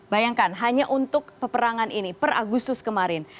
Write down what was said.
bayangkan hanya untuk peperangan ini per agustus kemarin